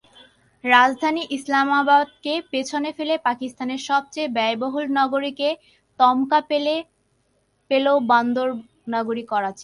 রাজধানী ইসলামাবাদকে পেছনে ফেলে পাকিস্তানের সবচেয়ে ব্যয়বহুল নগরের তকমা পেল বন্দরনগরী করাচি।